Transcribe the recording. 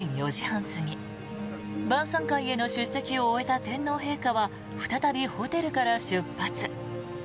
日本時間午前４時半過ぎ晩さん会への出席を終えた天皇陛下は再びホテルから出発。